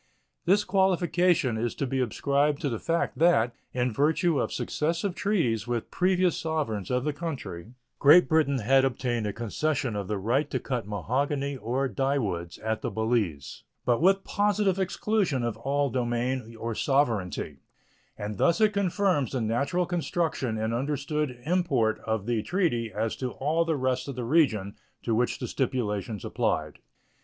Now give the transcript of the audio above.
This qualification is to be ascribed to the fact that, in virtue of successive treaties with previous sovereigns of the country, Great Britain had obtained a concession of the right to cut mahogany or dyewoods at the Balize, but with positive exclusion of all domain or sovereignty; and thus it confirms the natural construction and understood import of the treaty as to all the rest of the region to which the stipulations applied.